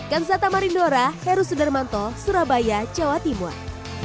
gansata marindora heru sudarmanto surabaya jawa timur